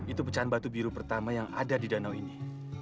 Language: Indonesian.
itu pecahan batu biru pertama yang ada di danau ini